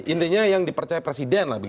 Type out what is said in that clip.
intinya yang dipercaya presiden lah